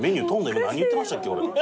今何言ってましたっけ俺。